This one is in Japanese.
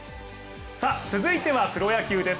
続いてはプロ野球です。